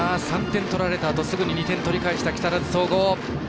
３点取られたあと、すぐに２点取り返した木更津総合。